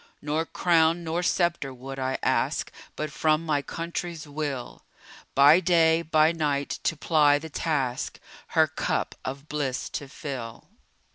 Nor crown nor sceptre would I ask But from my country's will, By day, by night, to ply the task Her cup of bliss to fill.